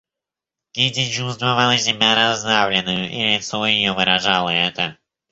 Кити чувствовала себя раздавленною, и лицо ее выражало это.